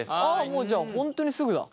もうじゃあ本当にすぐだ。